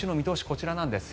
こちらなんです。